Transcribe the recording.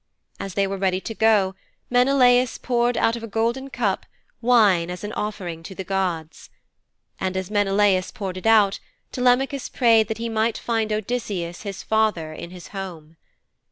As they were ready to go Menelaus poured out of a golden cup wine as an offering to the gods. And as Menelaus poured it out, Telemachus prayed that he might find Odysseus, his father, in his home.